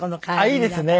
あっいいですね。